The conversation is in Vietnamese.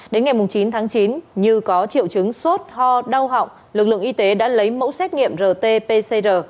đến ngày chín tháng chín như có triệu chứng sốt ho đau họng lực lượng y tế đã lấy mẫu xét nghiệm rt pcr